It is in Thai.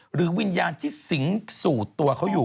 วิญญาณที่สิงสู่ตัวเขาอยู่